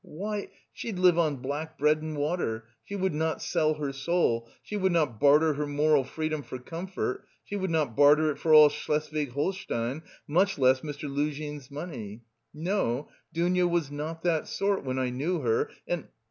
Why! she'd live on black bread and water, she would not sell her soul, she would not barter her moral freedom for comfort; she would not barter it for all Schleswig Holstein, much less Mr. Luzhin's money. No, Dounia was not that sort when I knew her and...